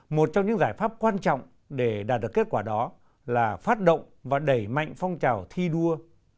một trong những giải pháp quan trọng để đạt được kết quả đó là phát động và đẩy mạnh phong trào thi đua